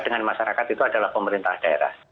dengan masyarakat itu adalah pemerintah daerah